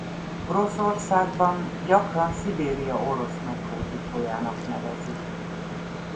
Oroszországban gyakran Szibéria orosz meghódítójának nevezik.